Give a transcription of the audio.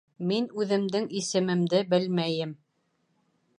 Мин үҙемдең исемемде белмәйем.